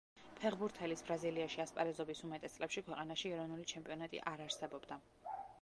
ფეხბურთელის ბრაზილიაში ასპარეზობის უმეტეს წლებში ქვეყანაში ეროვნული ჩემპიონატი არ არსებობდა.